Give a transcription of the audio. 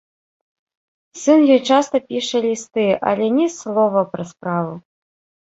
Сын ёй часта піша лісты, але ні слова пра справу.